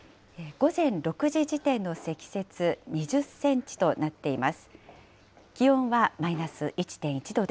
午前６時時点の積雪２０センチとなっています。